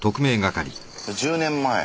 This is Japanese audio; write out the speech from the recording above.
１０年前。